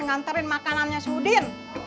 nganterin makanannya sudin